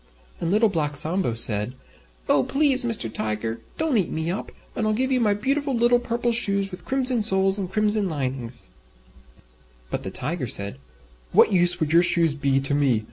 And Little Black Sambo said, "Oh! Please, Mr. Tiger, don't eat me up, and I'll give you my beautiful little Purple Shoes with Crimson Soles and Crimson Linings." But the Tiger said, "What use would your shoes be to me?